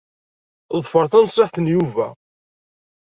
Ḍfer tanṣiḥt n Yuba.